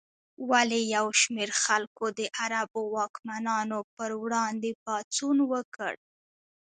ولې یو شمېر خلکو د عربو واکمنانو پر وړاندې پاڅون وکړ؟